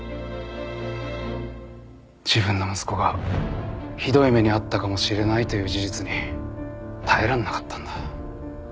自分の息子がひどい目に遭ったかもしれないという事実に耐えられなかったんだ。